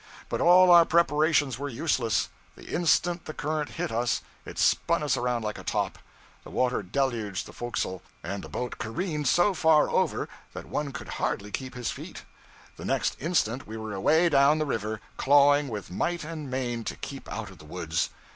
But all our preparations were useless. The instant the current hit us it spun us around like a top, the water deluged the forecastle, and the boat careened so far over that one could hardly keep his feet. The next instant we were away down the river, clawing with might and main to keep out of the woods.